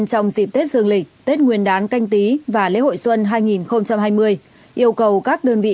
trong dịp tết dương lịch tết nguyên đán canh tí và lễ hội xuân hai nghìn hai mươi yêu cầu các đơn vị